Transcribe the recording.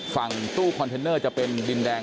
คุณภูริพัฒน์บุญนิน